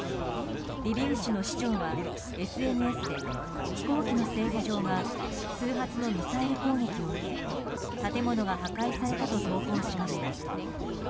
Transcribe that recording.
リビウ市の市長はＳＮＳで飛行機の整備場が数発のミサイル攻撃を受け建物が破壊されたと投稿しました。